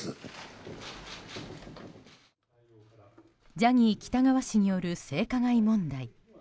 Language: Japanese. ジャニー喜多川氏による性加害問題。